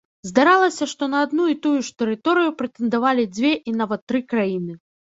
Здаралася, што на адну і тую ж тэрыторыю прэтэндавалі дзве і нават тры краіны.